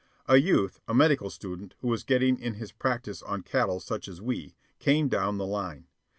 A youth, a medical student who was getting in his practice on cattle such as we, came down the line.